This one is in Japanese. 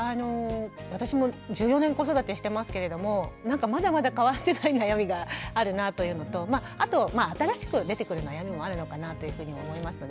私も１４年子育てしてますけれどもなんかまだまだ変わってない悩みがあるなというのとあと新しく出てくる悩みもあるのかなというふうにも思いますね。